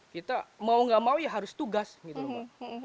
kita mau gak mau ya harus tugas gitu loh